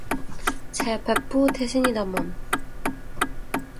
제 백부 되십니다만...